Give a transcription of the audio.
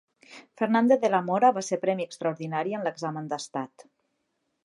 Fernández de la Mora va ser Premi extraordinari en l'examen d'Estat.